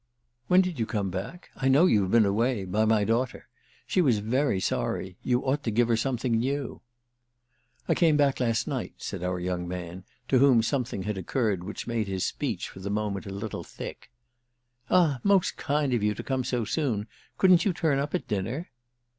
"When did you come back? I know you've been away—by my daughter. She was very sorry. You ought to give her something new." "I came back last night," said our young man, to whom something had occurred which made his speech for the moment a little thick. "Ah most kind of you to come so soon. Couldn't you turn up at dinner?"